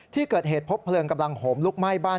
ที่เกิดเหตุพบเพลิงกำลังโหมลุกไหม้บ้าน